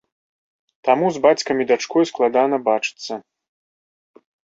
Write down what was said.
Таму з бацькам і дачкой складана бачыцца.